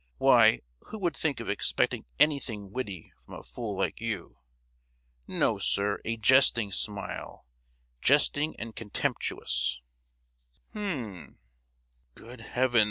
Why, who would think of expecting anything witty from a fool like you. No, sir, a jesting smile—jesting and contemptuous!" "H'm." "Good heavens.